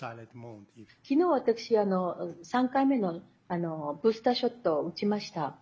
きのう私、３回目のブースターショットを打ちました。